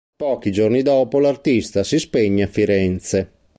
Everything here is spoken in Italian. Pochi giorni dopo l’artista si spegne a Firenze.